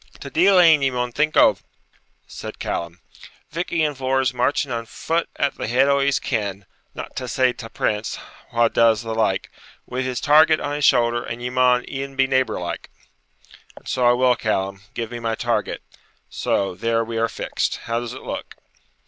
'Ta deil ane ye maun think o',' said Callum. 'Vich Ian Vohr's marching on foot at the head o' his kin (not to say ta Prince, wha does the like), wi' his target on his shoulder; and ye maun e'en be neighbour like.' 'And so I will, Callum, give me my target; so, there we are fixed. How does it look?'